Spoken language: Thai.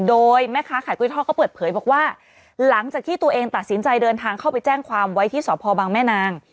โดยแม่ค้าขายกล้วยทอดก็เปิดเผยบอกว่าหลังจากที่ตัวเองตัดสินใจเดินทางเข้าไปแจ้งความไว้ที่สพบังแม่นาง